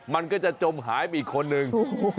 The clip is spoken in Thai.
มันก็จะจมหายไปอีกคนนึง